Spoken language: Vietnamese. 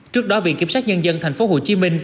trước đó viện kiểm sát nhân dân tp hcm